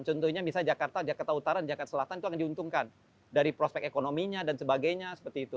contohnya misalnya jakarta jakarta utara dan jakarta selatan itu akan diuntungkan dari prospek ekonominya dan sebagainya seperti itu